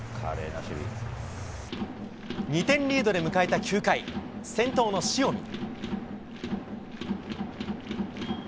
２点リードで迎えた９回、先頭の塩見。